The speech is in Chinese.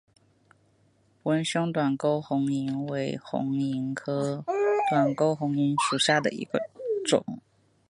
纹胸短沟红萤为红萤科短沟红萤属下的一个种。